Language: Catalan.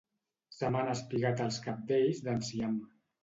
Se m'han espigat els cabdells d'enciam